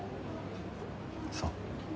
そう。